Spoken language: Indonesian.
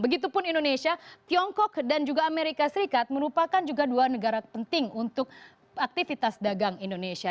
begitupun indonesia tiongkok dan juga amerika serikat merupakan juga dua negara penting untuk aktivitas dagang indonesia